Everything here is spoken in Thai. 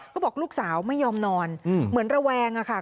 ก็บอกลูกสาวไม่ยอมนอนเหมือนระแวงอะค่ะ